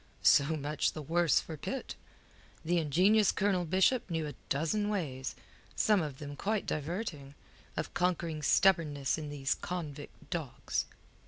So much the worse for Pitt. The ingenious Colonel Bishop knew a dozen ways some of them quite diverting of conquering stubbornness in these convict dogs.